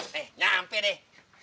nih nyampe deh